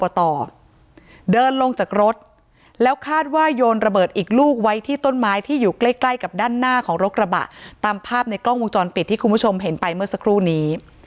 เดินลงจากรถแล้วคาดว่าโยนระเบิดอีกลูกไว้ที่ต้นไม้ที่อยู่ใกล้ใกล้กับด้านหน้าของรถกระบะตามภาพในกล้องวงจรปิดที่คุณผู้ชมเห็นไปเมื่อสักครู่นี้